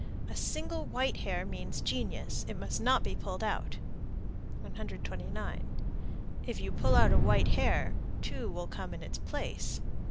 A single white hair means genius; it must not be pulled out. 129. If you pull out a white hair, two will come in its place.